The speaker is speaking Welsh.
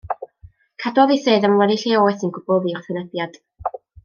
Cadwodd ei sedd am weddill ei oes yn gwbl ddiwrthwynebiad.